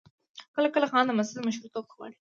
کله کله خان د مسجد مشرتوب غواړي.